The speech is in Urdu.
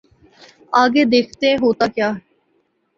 آگے دیکھیے ہوتا ہے۔